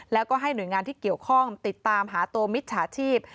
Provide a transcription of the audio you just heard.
แล้วก็ให้หน่วยงานที่เกี่ยวข้องติดตามหาตัวมิจฉาชีพ